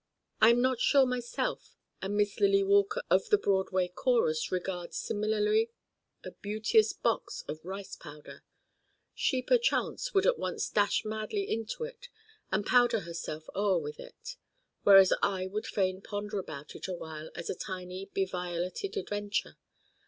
I'm not sure myself and Miss Lily Walker of the Broadway chorus regard similarly a beauteous box of Rice Powder: she perchance would at once dash madly into it and powder herself o'er with it, whereas I would fain ponder about it awhile as a tiny be violeted adventure.